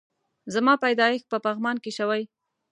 زما پيدايښت په پغمان کی شوي